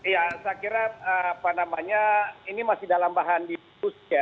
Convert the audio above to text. ya saya kira apa namanya ini masih dalam bahan diskusi ya